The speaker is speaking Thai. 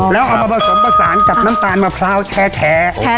แล้วเอามาผสมผสานกับน้ำตาลมะพร้าวแท้